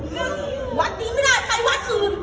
ไม่มีทางที่หรอ